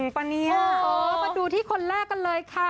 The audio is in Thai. มาดูที่คนแรกกันเลยค่ะ